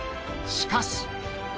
しかし］